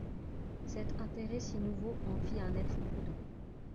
Cet intérêt si nouveau en fit un être prudent.